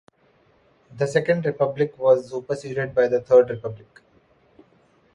The Second Republic was superseded by the Third Republic.